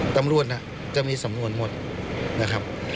ตำรวจจะมีสำนวนหมดนะครับ